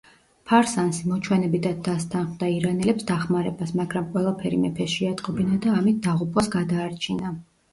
ფარსანსი მოჩვენებითად დასთანხმდა ირანელებს დახმარებას, მაგრამ ყველაფერი მეფეს შეატყობინა და ამით დაღუპვას გადაარჩინა.